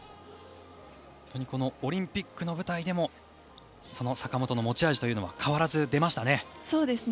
オリンピックの舞台でもその坂本の持ち味というのが変わらず出ましたね。